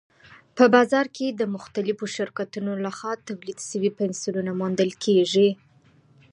په بازار کې د مختلفو شرکتونو لخوا تولید شوي پنسلونه موندل کېږي.